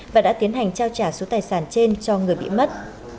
và đã tiến hành trao trả số tài sản trên cho người bị mất